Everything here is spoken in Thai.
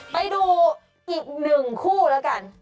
ไปดูอีก๑คู่แล้วกัน